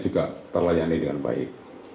juga terlayani dengan baik